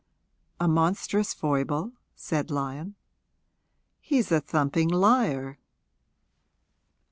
'A monstrous foible?' said Lyon. 'He's a thumping liar.'